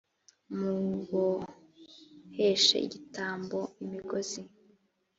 muboheshe igitambo imigozi